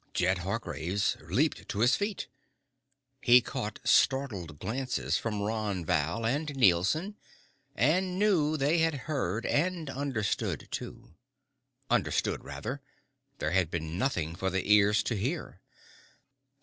Jed Hargraves' leaped to his feet. He caught startled glances from Ron Val and Nielson and knew they had heard and understood too. Understood, rather. There had been nothing for the ears to hear.